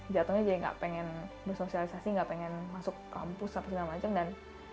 jatuhnya jadi gak pengen bersosialisasi nggak pengen masuk kampus apa segala macem dan